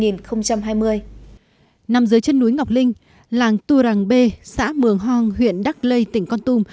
nằm dưới chân núi ngọc linh làng tu rằng b xã mường hong huyện đắc lây tỉnh con tum